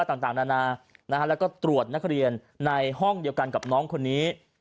ต่างนานาแล้วก็ตรวจนักเรียนในห้องเดียวกันกับน้องคนนี้